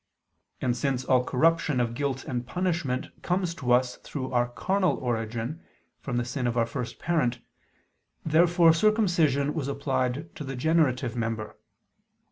And since all corruption of guilt and punishment comes to us through our carnal origin, from the sin of our first parent, therefore circumcision was applied to the generative member.